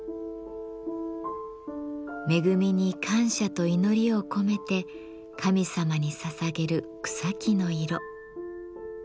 恵みに感謝と祈りを込めて神様にささげる草木の色。